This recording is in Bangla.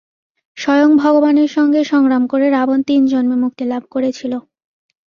স্বয়ং ভগবানের সঙ্গে সংগ্রাম করে রাবণ তিন জন্মে মুক্তিলাভ করেছিল।